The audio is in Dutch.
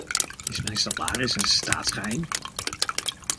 Is mijn salaris een staatsgeheim?